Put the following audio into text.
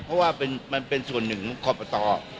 เพราะว่ามันเป็นส่วนหนึ่งคอปต